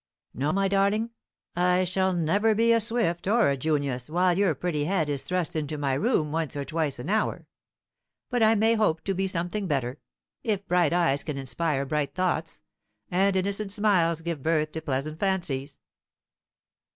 No, my darling, I shall never be a Swift or a Junius while your pretty head is thrust into my room once or twice an hour; but I may hope to be something better, if bright eyes can inspire bright thoughts, and innocent smiles give birth to pleasant fancies."